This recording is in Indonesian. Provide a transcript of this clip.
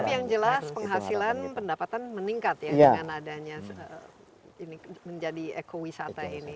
tapi yang jelas penghasilan pendapatan meningkat ya dengan adanya menjadi ekowisata ini